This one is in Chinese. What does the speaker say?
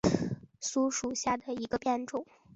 毛盔西藏糙苏为唇形科糙苏属下的一个变种。